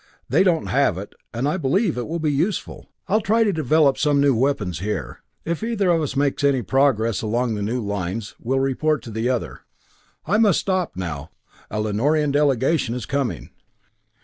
They don't have it and I believe it will be useful. I'll try to develop some new weapons here. If either of us makes any progress along new lines we'll report to the other. I must stop now a Lanorian delegation is coming."